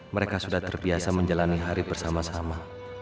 mereka sudah terbiasa menjalani hari bersama sama